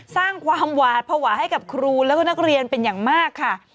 สร้างความหวาดภาวะให้กับครูแล้วก็นักเรียนเป็นอย่างมากค่ะ